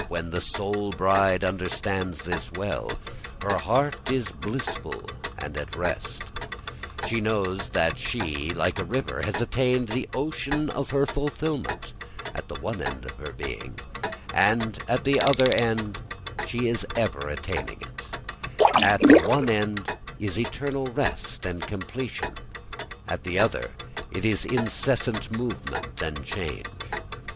When the soul bride understands this well, her heart is blissful and at rest. She knows that she, like a river, has attained the ocean of her fulfilment at one end of her being, and at the other end she is ever attaining it; at one end it is eternal rest and completion, at the other it is incessant movement and change.